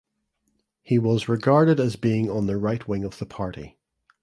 He was regarded as being on the right wing of the party.